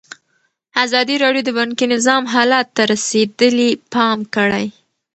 ازادي راډیو د بانکي نظام حالت ته رسېدلي پام کړی.